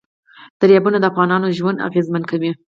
دریابونه د افغانانو ژوند اغېزمن کوي.